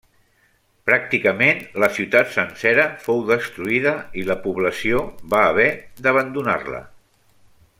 Pràcticament la ciutat sencera fou destruïda i la població va haver d'abandonar-la.